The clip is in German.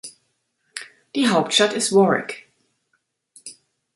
Die Hauptstadt ist Warwick.